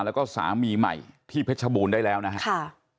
แล้วก็สามีใหม่ที่เพชรบูรณ์ได้แล้วนะครับ